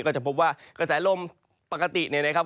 ก็จะพบว่ากระแสลมปกติเนี่ยนะครับ